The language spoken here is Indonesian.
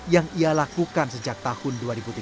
yang ia lakukan sejak tahun dua ribu tiga belas